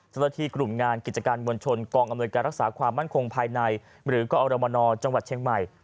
เจ้าหน้าที่กลุ่มงานกิจการมวลชนกองอำนวยการรักษาความมั่นคงภายในหรือกอรมนจังหวัดเชียงใหม่